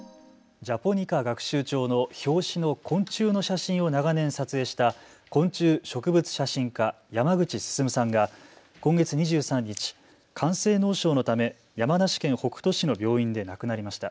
ジャポニカ学習帳の表紙の昆虫の写真を長年撮影した昆虫植物写真家、山口進さんが今月２３日、肝性脳症のため山梨県北杜市の病院で亡くなりました。